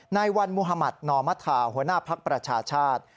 ในวันมุธมัธนอมธาหัวหน้าภักดิ์ประชาชาติ